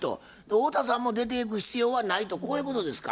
太田さんも出ていく必要はないとこういうことですか？